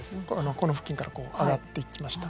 この付近からこう上がっていきました。